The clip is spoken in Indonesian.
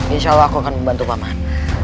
insya allah aku akan membantu paman